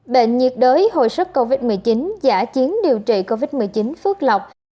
bệnh nhiệt đới hồi sức covid một mươi chín giả chiến điều trị covid một mươi chín phước lọc